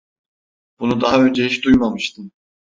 Bunu daha önce hiç duymamıştım.